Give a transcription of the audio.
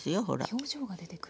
表情が出てくる。